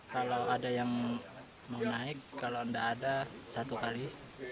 kalau ada yang mau naik kalau tidak ada satu kali